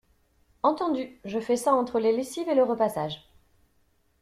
Entendu, je fais ça entre les lessives et le repassage.